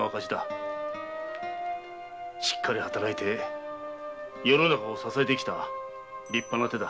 しっかり働いて世の中を支えてきた立派な手だ。